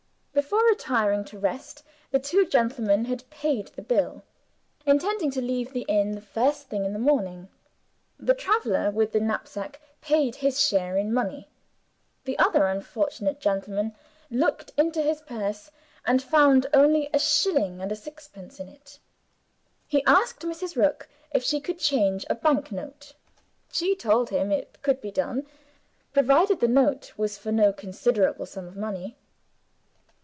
Before retiring to rest, the two gentlemen had paid the bill intending to leave the inn the first thing in the morning. The traveler with the knapsack paid his share in money. The other unfortunate gentleman looked into his purse, and found only a shilling and a sixpence in it. He asked Mrs. Rook if she could change a bank note. She told him it could be done, provided the note was for no considerable sum of money.